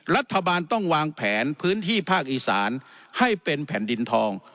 รัฐบาลต้องวางแผนพื้นที่ภาคอีสานให้เป็นแผ่นดินทอง